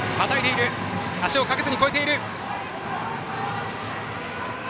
足をかけずに越えている。